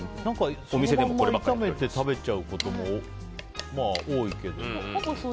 そのまま炒めて食べちゃうことも多いけど。